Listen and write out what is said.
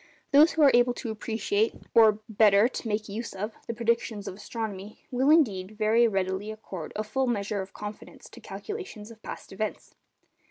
Those who are able to appreciate (or better, to make use of) the predictions of astronomy, will, indeed, very readily accord a full measure of confidence to calculations of past events.